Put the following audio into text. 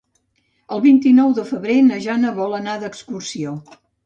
El vint-i-nou de febrer na Jana vol anar d'excursió.